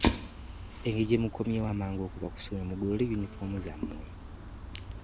Engeri gye mukomyewo amangu okuva ku ssomero mugolole yunifoomu zammwe.